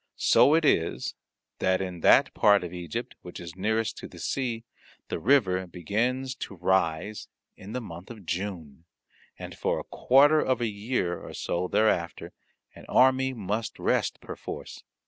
So it is that in that part of Egypt which is nearest to the sea the river begins to rise in the month of June, and for a quarter of a year or so thereafter an army must rest perforce.